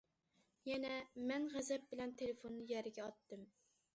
يەنە........... مەن غەزەپ بىلەن تېلېفوننى يەرگە ئاتتىم.